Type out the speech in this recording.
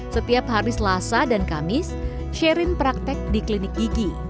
setiap hari selasa dan kamis sherin praktek di klinik gigi